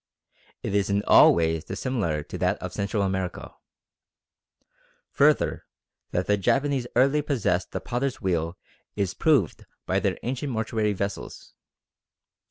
It is in all ways dissimilar to that of Central America. Further, that the Japanese early possessed the potter's wheel is proved by their ancient mortuary vessels.